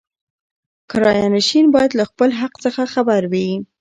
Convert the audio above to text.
کرایه نشین باید له خپل حق څخه خبر وي.